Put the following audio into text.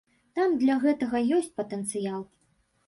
Там для гэтага ёсць патэнцыял.